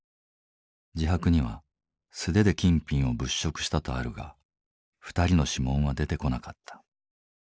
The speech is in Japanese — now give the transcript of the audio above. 自白には素手で金品を物色したとあるが２人の指紋は出てこなかった。